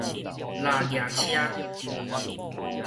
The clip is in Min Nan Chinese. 蟧蜈車